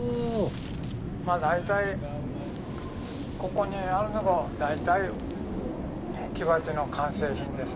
まぁここにあるのが大体木鉢の完成品です。